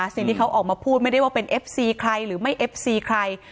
สิ่งที่เขาออกมาพูดไม่ได้ว่าเป็นเอฟซีใครหรือไม่เอฟซีใคร